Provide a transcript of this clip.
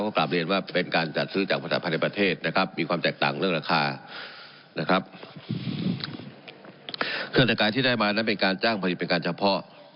ก็กราบเรียนว่าเป็นการจัดซื้อจากภาษาพันธ์ในประเทศมีความแตกต่างเรื่องราคา